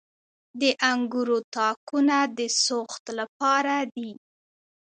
د انګورو تاکونه د سوخت لپاره دي.